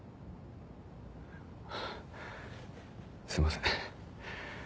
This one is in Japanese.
すいません。